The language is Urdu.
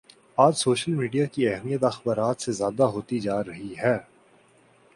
آج سوشل میڈیا کی اہمیت اخبارات سے زیادہ ہوتی جا رہی ہے